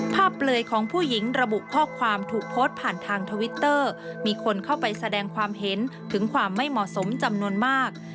เปลือยของผู้หญิงระบุข้อความถูกโพสต์ผ่านทางทวิตเตอร์มีคนเข้าไปแสดงความเห็นถึงความไม่เหมาะสมจำนวนมาก